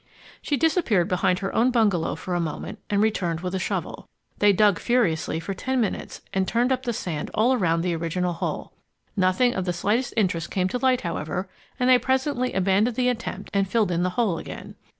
She disappeared behind her own bungalow for a moment and returned with a shovel. They dug furiously for ten minutes and turned up the sand all about the original hole. Nothing of the slightest interest came to light, however, and they presently abandoned the attempt and filled in the hole again.